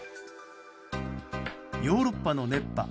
ヨーロッパの熱波